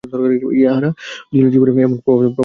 ইহারা দুইজনে জীবনে এমন প্রভাত আর কোনোদিন দেখে নাই।